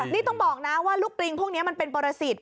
นี่ต้องบอกนะว่าลูกปริงพวกนี้มันเป็นประสิทธิ